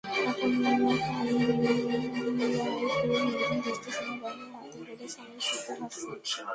এখন পালমিরার পুরো নিয়ন্ত্রণ দেশটির সেনাবাহিনীর হাতে বলে সামরিক সূত্রের ভাষ্য।